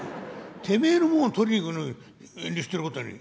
てめえのもんを取りに行くのに遠慮してることはねえ。